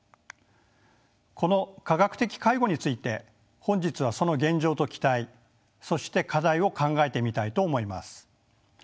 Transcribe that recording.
この科学的介護について本日はその現状と期待そして課題を考えてみたいと思います。